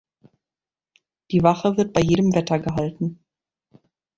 Die Wache wird bei jedem Wetter gehalten.